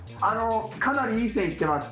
かなりいい線いってます。